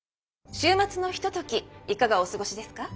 週末のひとときいかがお過ごしですか？